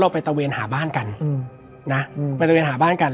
ไปตัวเองหาบ้านกัน